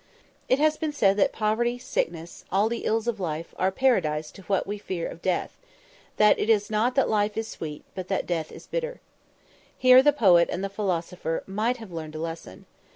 _" It has been said that "poverty, sickness, all the ills of life, are Paradise to what we fear of death" that "it is not that life is sweet, but that death is bitter." Here the poet and the philosopher might have learned a lesson.